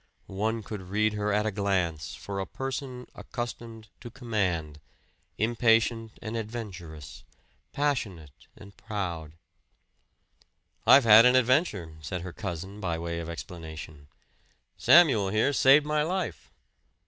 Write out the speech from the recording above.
One could read her at a glance for a person accustomed to command impatient and adventurous, passionate and proud. "I've had an adventure," said her cousin by way of explanation. "Samuel, here, saved my life."